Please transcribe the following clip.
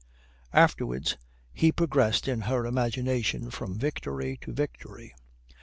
Afterwards, he progressed in her imagination from victory to victory.